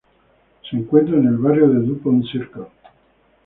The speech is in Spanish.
Se encuentra en el barrio de Dupont Circle.